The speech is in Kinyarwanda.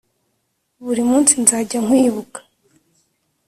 buri munsi nzajya nkwibuka